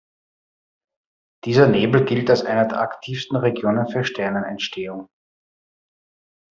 Dieser Nebel gilt als eine der aktivsten Regionen für Sternentstehung.